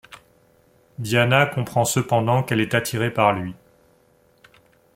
Diana comprend cependant qu'elle est attirée par lui.